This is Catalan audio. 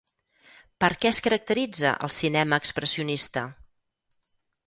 Per què es caracteritza el cinema expressionista?